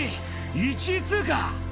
１位通過。